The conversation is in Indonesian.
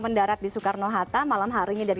mendarat di soekarno hatta malam harinya dari